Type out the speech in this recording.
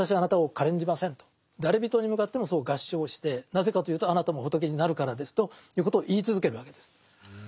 誰びとに向かってもそう合掌してなぜかというとあなたも仏になるからですということを言い続けるわけです。